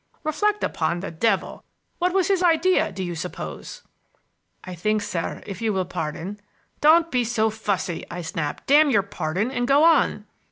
"Reflect upon the devil! What was his idea, do you suppose?" "I think, sir, if you will pardon—" "Don't be so fussy!" I snapped. "Damn your pardon, and go on!"